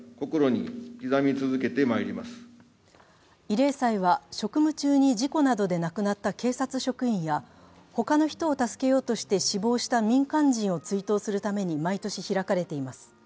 慰霊祭は、職務中に事故などで亡くなった警察職員や他の人を助けようとして死亡した民間人を追悼するために毎年開かれています。